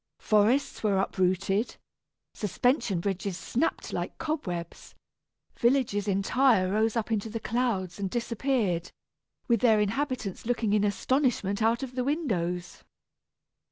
Forests were uprooted, suspension bridges snapped like cobwebs, villages entire rose up into the clouds and disappeared, with their inhabitants looking in astonishment out of the windows!